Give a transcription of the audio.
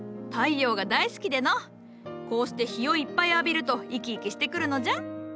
太陽が大好きでのうこうして日をいっぱい浴びると生き生きしてくるのじゃ。